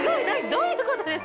どういうことですか？